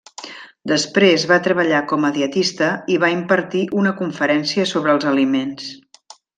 Després, va treballar com a dietista i va impartir una conferència sobre els aliments.